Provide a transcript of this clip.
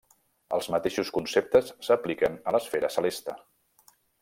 Els mateixos conceptes s'apliquen a l'esfera celeste.